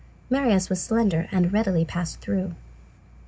Marius was slender and readily passed through.